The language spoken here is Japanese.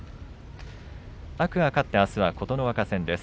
天空海、勝ってあすは琴ノ若戦です。